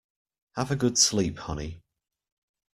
Have a good sleep honey.